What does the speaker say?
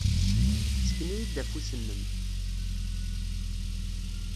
Ssken-iyi-d afus-nnem.